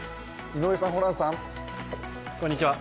井上さん、ホランさん。